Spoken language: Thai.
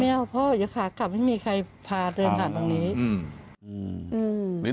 ไม่เอาพ่ออยู่ค่ะกลับไม่มีใครพาเดินผ่านตรงนี้